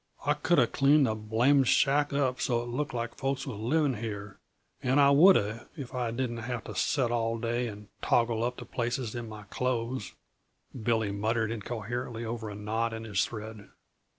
"I could uh cleaned the blamed shack up so it would look like folks was living here and I woulda, if I didn't have to set all day and toggle up the places in my clothes" Billy muttered incoherently over a knot in his thread.